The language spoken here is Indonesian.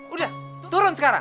udah turun sekarang